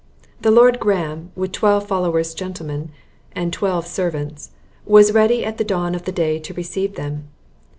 The Lord Graham, with twelve followers gentlemen, and twelve servants, was ready at the dawn of day to receive them.